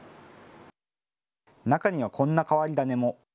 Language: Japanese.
中にはこんな変わり種も。